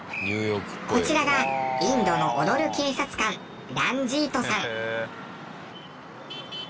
こちらがインドの踊る警察官ランジートさん。